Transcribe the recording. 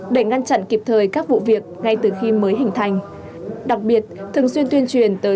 để ngăn chặn kịp thời các vụ việc ngay từ khi mới hình thành đặc biệt thường xuyên tuyên truyền tới